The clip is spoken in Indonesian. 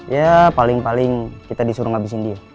ya paling paling kita disuruh ngabisin dia